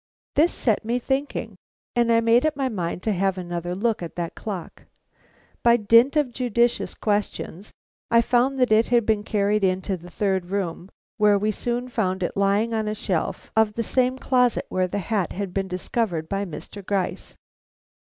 This set me thinking, and I made up my mind to have another look at that clock. By dint of judicious questions I found that it had been carried into the third room, where we soon found it lying on a shelf of the same closet where the hat had been discovered by Mr. Gryce.